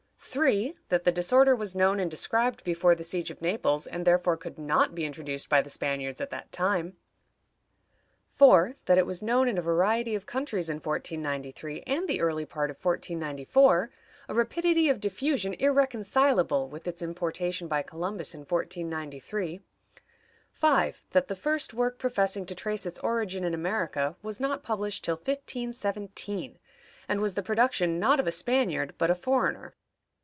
3. That the disorder was known and described before the siege of Naples, and therefore could not be introduced by the Spaniards at that time. 4. That it was known in a variety of countries in 1493 and the early part of 1494; a rapidity of diffusion irreconcilable with its importation by Columbus in 1493. 5. That the first work professing to trace its origin in America was not published till 1517, and was the production, not of a Spaniard, but a foreigner.